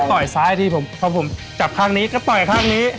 ต่อยซ้ายพี่พี่ผมจัดข้างนี้ตอยข้างนี้